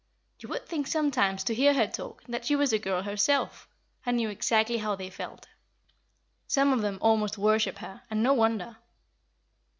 You would think, sometimes, to hear her talk, that she was a girl herself, and knew exactly how they felt. Some of them almost worship her, and no wonder."